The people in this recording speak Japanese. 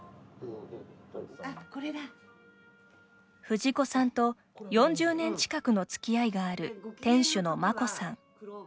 藤子さんと４０年近くのつきあいがある店主のマコさん。